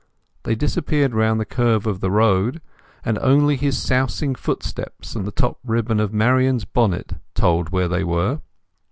They disappeared round the curve of the road, and only his sousing footsteps and the top ribbon of Marian's bonnet told where they were.